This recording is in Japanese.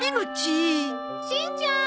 しんちゃん。